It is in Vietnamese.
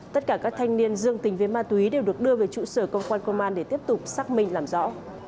tất cả các thanh niên dương tình với ma túy đều được đưa về trụ sở công an công an để tiếp tục xác minh làm rõ